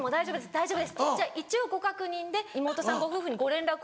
「大丈夫です」。「一応ご確認で妹さんご夫婦にご連絡を」